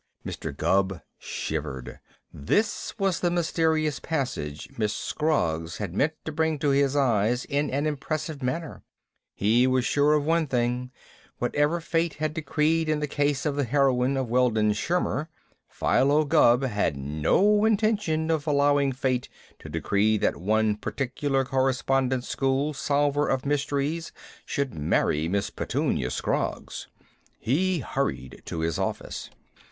'" Mr. Gubb shivered. This was the mysterious passage Miss Scroggs had meant to bring to his eyes in an impressive manner. He was sure of one thing: whatever Fate had decreed in the case of the heroine of "Weldon Shirmer," Philo Gubb had no intention of allowing Fate to decree that one particular Correspondence School solver of mysteries should marry Miss Petunia Scroggs. He hurried to his office.